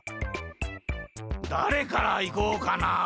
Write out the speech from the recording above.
だれからいこうかな。